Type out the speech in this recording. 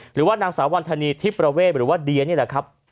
หรือว่านางสาววันธนีทิพย์ประเวทหรือว่าเดียนี่แหละครับ